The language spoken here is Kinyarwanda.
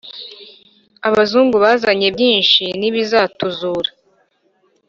Abazungu bazanye byinshi n’ibizatuzura.